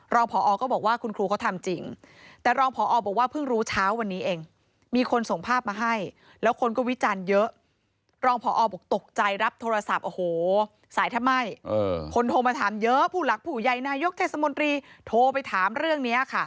รองพอก็บอกว่าคุณครูเขาทำจริงแต่รองพอบอกว่าเพิ่งรู้เช้าวันนี้เองมีคนส่งภาพมาให้แล้วคนก็วิจารณ์เยอะรองพอบอกตกใจรับโทรศัพท์โอ้โหสายแทบไหม้คนโทรมาถามเยอะผู้หลักผู้ใหญ่นายกเทศมนตรีโทรไปถามเรื่องนี้ค่ะ